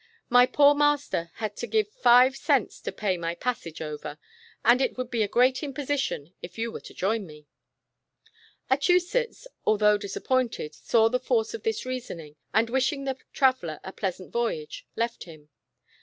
My poor master had to give five cents to pa\' my passage over, and it would be a great imposition, if you were to join me." Achusetts, although disappointed, saw the force of this reasoning, and wishing the traveller a pleas ant voyage, left him.